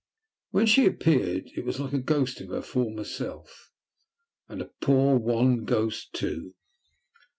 When she appeared it was like a ghost of her former self, and a poor wan ghost too.